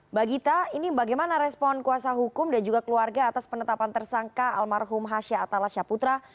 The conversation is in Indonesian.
mbak gita ini bagaimana respon kuasa hukum dan juga keluarga atas penetapan tersangka almarhum hasha atalasha putra